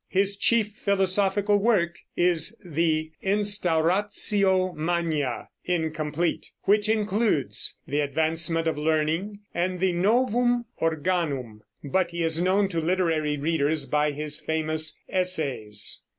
His chief philosophical work is the Instauratio Magna (incomplete), which includes "The Advancement of Learning" and the "Novum Organum"; but he is known to literary readers by his famous Essays.